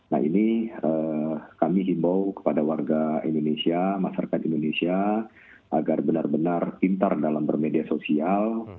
nah ini kami himbau kepada warga indonesia masyarakat indonesia agar benar benar pintar dalam bermedia sosial